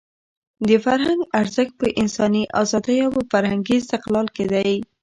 د فرهنګ ارزښت په انساني ازادۍ او په فکري استقلال کې دی.